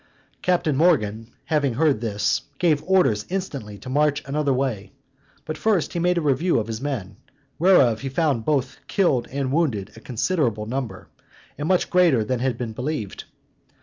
Captain Morgan having heard this, gave orders instantly to march another way; but first he made a review of his men, whereof he found both killed and wounded a considerable number, and much greater than had been believed.